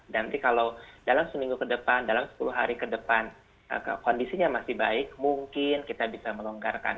nanti kalau dalam seminggu ke depan dalam sepuluh hari ke depan kondisinya masih baik mungkin kita bisa melonggarkan